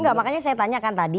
enggak makanya saya tanyakan tadi